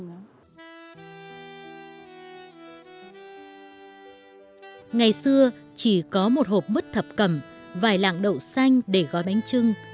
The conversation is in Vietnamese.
ngày xưa chỉ có một hộp mứt thập cầm vài lạng đậu xanh để gói bánh trưng